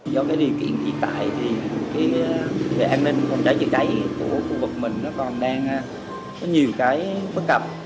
do cái điều kiện hiện tại thì về an ninh phòng cháy chữa cháy của khu vực mình nó còn đang có nhiều cái bất cập